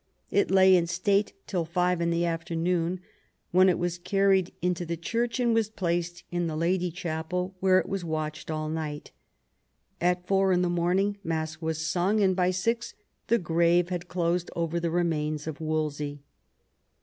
It lay in state till five in the afternoon, when it was carried into the church and was placed in the Lady Chapel, where it was watched all night At four in the morning mass was sung, and by six the grave had closed over the remains of Wolsey.